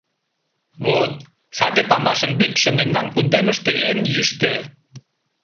— Вот, саде памашын вӱдшӧ мемнан кундемыште эн йӱштӧ.